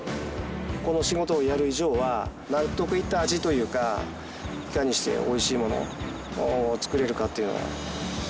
この仕事をやる以上は納得いった味というかいかにしておいしいものを作れるかっていうのを。